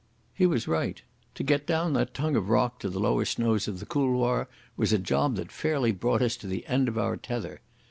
He was right. To get down that tongue of rock to the lower snows of the couloir was a job that fairly brought us to the end of our tether.